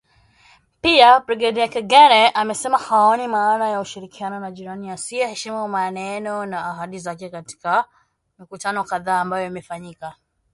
Pia Brigedia Ekegene amesema haoni maana ya ushirikiano na jirani asiyeheshimu maneno na ahadi zake katika mikutano kadhaa ambayo imefanyika